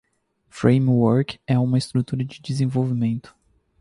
Framework é uma estrutura de desenvolvimento.